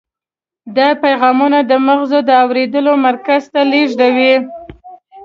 دا پیغامونه د مغزو د اورېدلو مرکز ته لیږدوي.